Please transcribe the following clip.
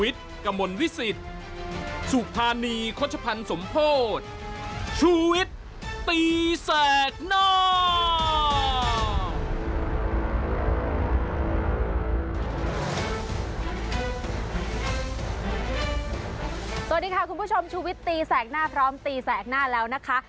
สวัสดีค่ะคุณผู้ชมชูวิตตีแสกหน้าพร้อมตีแสกหน้าแล้วนะคะ